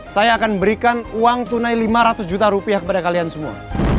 saya akan berikan uang tunai lima ratus juta rupiah kepada kalian semua